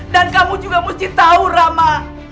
dan kamu juga mesti tau rama